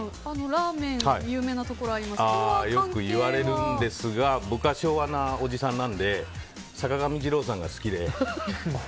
ラーメンで有名なところありますけどよく言われるんですが僕は昭和のおじさんなので坂上二郎さんが好きで。